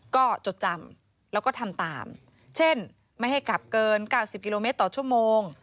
ก็จดจำแล้วก็ทำตามเช่นไม่ให้กลับเกิน๙๐กิโลเมตรต่อชั่วโมง